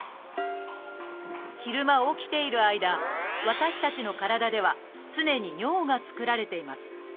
昼間起きている間私たちの体では常に尿が作られています。